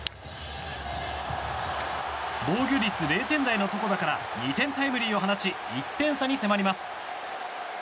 防御率０点台の床田から２点タイムリーを放ち１点差に迫ります。